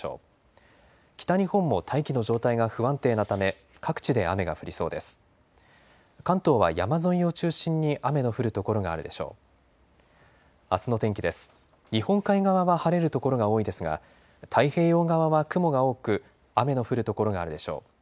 日本海側は晴れる所が多いですが太平洋側は雲が多く雨の降る所があるでしょう。